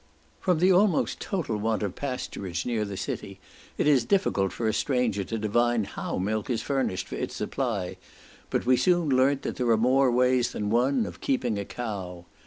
From the almost total want of pasturage near the city, it is difficult for a stranger to divine how milk is furnished for its supply, but we soon learnt that there are more ways than one of keeping a cow.